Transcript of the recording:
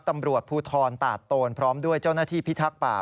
ตำรวจภูทรตาดโตนพร้อมด้วยเจ้าหน้าที่พิทักษ์ป่า